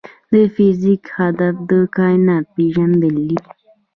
د فزیک هدف د کائنات پېژندل دي.